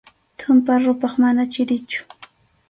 Tumpa ruphaq mana chirichu.